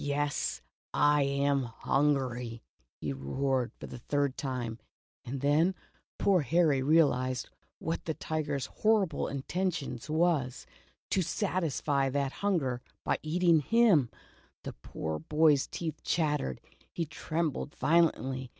"Yes, I am HUNGRY," he roared, for the third time, and then poor Harry realized what the tiger's horrible intention was — to satisfy that hun ger, by eating //////. The poor boy's teeth chat tered, he trembled violently.